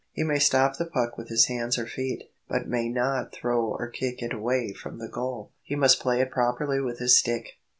He may stop the puck with his hands or feet, but may not throw or kick it away from the goal. He must play it properly with his stick.